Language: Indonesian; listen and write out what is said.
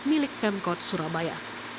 milik pemkot surabaya